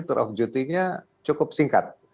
perjalanan tanggal cukup singkat